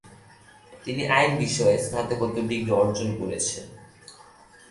তিনি আইন বিষয়ে স্নাতকোত্তর ডিগ্রি অর্জন করেছেন।